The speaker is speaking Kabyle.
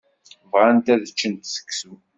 Bɣant ad ččent seksu.